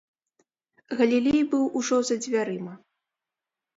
Галілей быў ужо за дзвярыма.